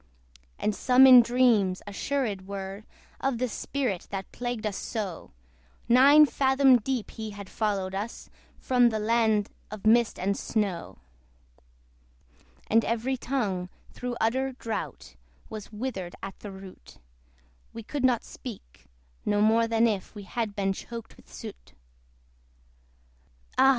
And some in dreams assured were Of the spirit that plagued us so: Nine fathom deep he had followed us From the land of mist and snow. And every tongue, through utter drought, Was withered at the root; We could not speak, no more than if We had been choked with soot. Ah!